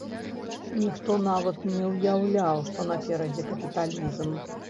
Ніхто нават не ўяўляў, што наперадзе капіталізм!